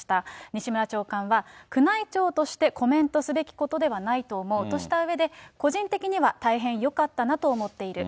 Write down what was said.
西村長官は、宮内庁としてコメントすべきことではないと思うとしたうえで、個人的には大変よかったなと思っている。